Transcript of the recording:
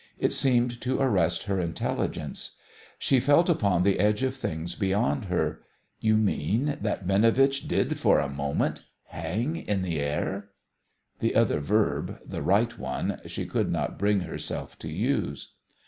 It seemed to arrest her intelligence. She felt upon the edge of things beyond her. "You mean that Binovitch did for a moment hang in the air?" The other verb, the right one, she could not bring herself to use.